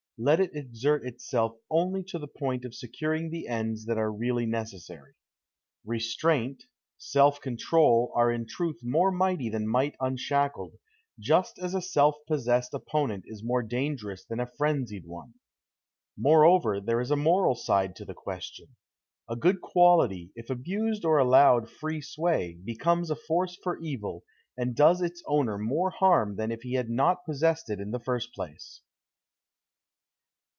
Let it exert itself only to the point of securing the ends that are really necessary. Restraint, self control are in truth more mighty than might unshackled, just as a self possessed opponent is more dangerous than a frenzied one. Moreover, there is a moral side to the question. A good quality, if abused or allowed free sway, becomes a force for evil and does its owner more harm than if he had not possessed it in the first place.